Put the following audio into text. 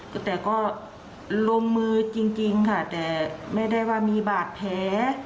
ก็แต่ก็ลงมือจริงค่ะแต่ไม่ได้ว่ามีบาดแผล